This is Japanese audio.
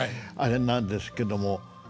あれなんですけども。